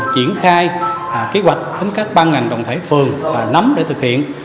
triển khai kế hoạch với các bang ngành đồng thể phường nắm để thực hiện